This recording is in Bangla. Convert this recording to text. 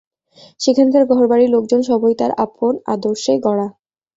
সেখানকার ঘরবাড়ি-লোকজন সবই তার আপন আদর্শে গড়া।